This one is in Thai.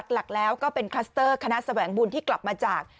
หลักแล้วก็เป็นคลัสเตอร์คณะแสวงบุญที่กลับมาจาก